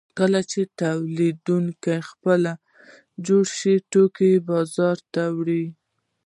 کله چې تولیدونکي خپل جوړ شوي توکي بازار ته وړي